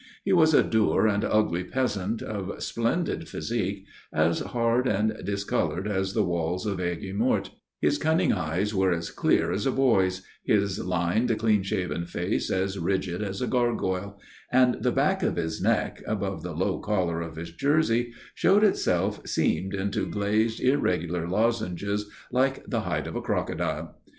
He was a dour and ugly peasant, of splendid physique, as hard and discoloured as the walls of Aigues Mortes; his cunning eyes were as clear as a boy's, his lined, clean shaven face as rigid as a gargoyle; and the back of his neck, above the low collar of his jersey, showed itself seamed into glazed irregular lozenges, like the hide of a crocodile.